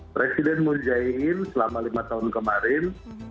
presiden moon jae in selama lima tahun kemarin